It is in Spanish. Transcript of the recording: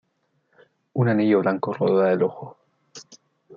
Un anillo blanco rodea el ojo.